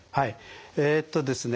えっとですね